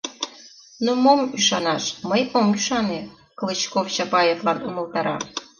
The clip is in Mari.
— Ну, мом ӱшанаш, мый ом ӱшане, — Клычков Чапаевлан умылтара.